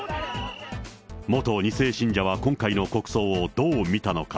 元２世信者は今回の国葬をどう見たのか。